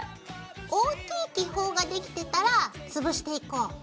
大きい気泡ができてたら潰していこう。